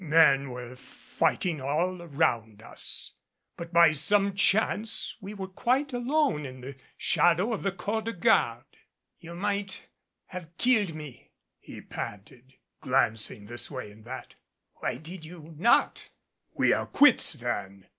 Men were fighting all around us, but by some chance we were quite alone in the shadow of the Corps de garde. "You might have killed me," he panted glancing this way and that, "why did you not?" "We are quits then.